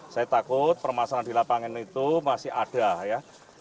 saya takut permasalahan di lapangan itu masih ada ya